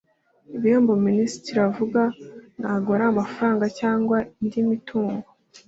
Ibihembo Minisitiri avuga ntago ari amafaranga cyangwa indi mitungo